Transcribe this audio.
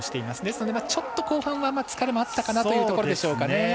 ですのでちょっと後半は疲れもあったかなというところでしょうか。